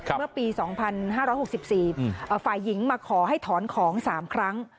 เมื่อปี๒๕๖๔ฝ่ายหญิงมาขอให้ถอนของ๓ครั้ง